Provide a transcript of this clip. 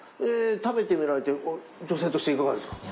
食べてみられて女性としていかがですか？